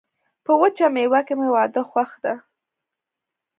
په وچه میوه کي مي واده خوښ ده.